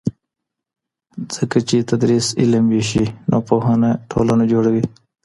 ځکه چې تدریس علم وېشي نو پوهنه ټولنه جوړوي.